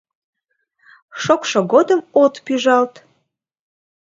Шокшо годым от пӱжалт...»